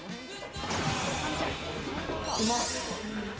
うまっ！